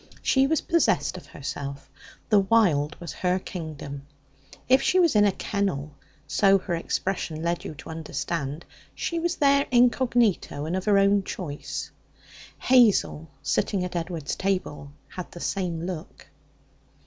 She was possessed of herself; the wild was her kingdom. If she was in a kennel so her expression led you to understand she was there incognito and of her own choice. Hazel, sitting at Edward's table, had the same look.